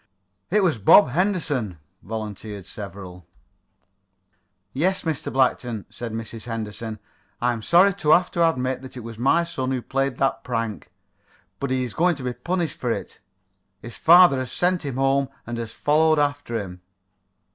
"It was Bob Henderson," volunteered several. "Yes, Mr. Blackton," said Mrs. Henderson. "I am sorry to have to admit that it was my son who played that prank. But he is going to be punished for it. His father has sent him home and has followed after him."